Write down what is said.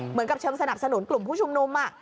เหมือนกับเชิงสนับสนุนกลุ่มผู้ชุมนุม